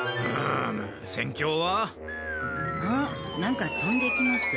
あっなんかとんできます。